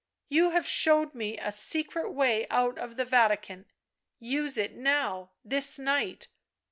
You have showed me a secret way out of the Vatican, use it now, this night.